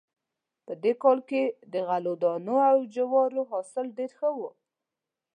په دې کال کې د غلو دانو او جوارو حاصل ډېر ښه و